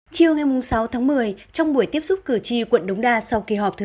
chưa nghe mùng sáu tháng một mươi trong buổi tiếp xúc cử tri quận đống đa sau kỳ họp thứ hai